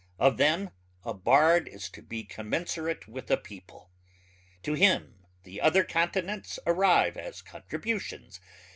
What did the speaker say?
Of them a bard is to be commensurate with a people. To him the other continents arrive as contributions